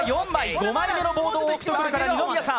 ５枚目のボードを置くところから二宮さん。